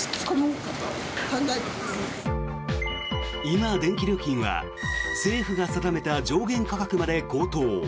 今、電気料金は政府が定めた上限価格まで高騰。